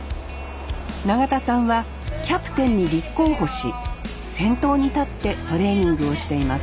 永田さんはキャプテンに立候補し先頭に立ってトレーニングをしています